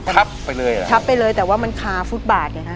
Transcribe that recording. ทับไปเลยเหรอทับไปเลยแต่ว่ามันคาฟุตบาทไงฮะ